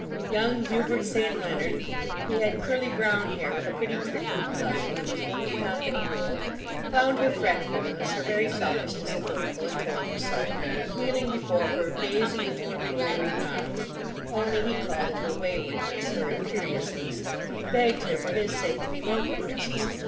Young Hubert St. Leonard—he had curly brown hair, with a pretty trick of blushing, and was going to conquer the world—found her fretfulness, her very selfishness adorable: and told her so, kneeling before her, gazing into her bewildering eyes—only he called it her waywardness, her imperiousness; begged her for his sake to be more capricious.